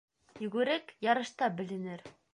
Йүгерек ярышта беленер.